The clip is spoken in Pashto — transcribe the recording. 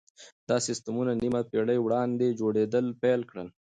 دا سيستمونه نيمه پېړۍ وړاندې جوړېدل پيل کړل.